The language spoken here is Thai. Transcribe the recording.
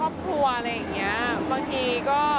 นางพูดเร็วอะเธอไม่มืนเหรอ